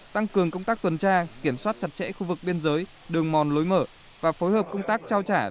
tăng cường công tác tuần tra kiểm soát chặt chẽ khu vực biên giới đường mòn lối mở và phối hợp công tác trao trả